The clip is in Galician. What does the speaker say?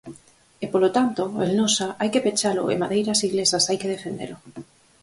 E, polo tanto, Elnosa hai que pechalo e Madeiras Iglesas hai que defendelo.